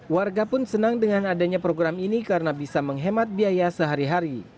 warga pun senang dengan adanya program ini karena bisa menghemat biaya sehari hari